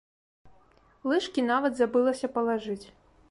Лыжкі нават забылася палажыць.